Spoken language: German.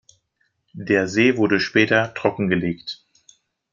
Der See wurde später trockengelegt.